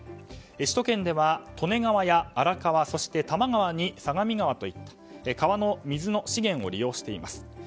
首都圏では利根川や荒川、多摩川相模川といった川の水の資源を利用しています。